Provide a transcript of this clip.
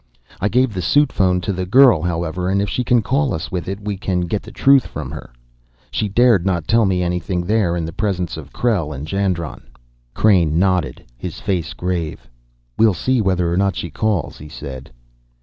"I gave the suit phone to the girl, however, and if she can call us with it, we can get the truth from her. She dared not tell me anything there in the presence of Krell and Jandron." Crain nodded, his face grave. "We'll see whether or not she calls," he said.